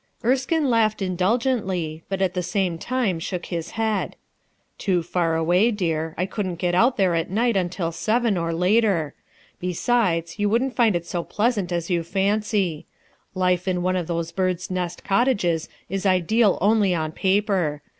Erskine laughed indulgently, but at the same time shook his head. " Too far away, dear. I couldn't get out there at night until seven, or later. Besides, you wouldn't find it so pleasant as you fancy. Life in one of those bird's nest cottages is ideal only on paper.